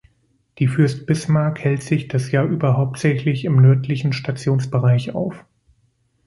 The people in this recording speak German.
Die "Fürst Bismarck" hält sich das Jahr über hauptsächlich im nördlichen Stationsbereich auf.